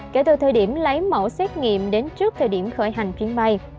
kể từ thời điểm lấy mẫu xét nghiệm đến trước thời điểm khởi hành chuyến bay